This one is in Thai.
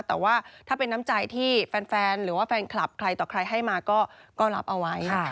แต่ว่าถ้าเป็นน้ำใจที่แฟนหรือว่าแฟนคลับใครต่อใครให้มาก็รับเอาไว้